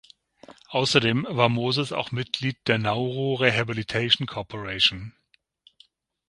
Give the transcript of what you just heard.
Außerdem war Moses auch Mitglied der "Nauru Rehabilitation Corporation".